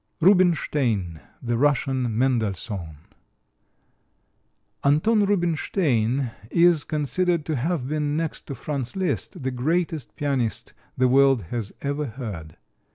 Rubinstein, the Russian Mendelssohn Anton Rubinstein is considered to have been, next to Franz Liszt, the greatest pianist the world has ever heard.